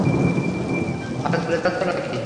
হরতালে যাচ্ছো নাকি?